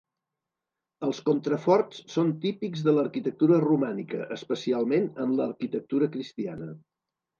Els contraforts són típics de l'arquitectura romànica, especialment en l'arquitectura cristiana.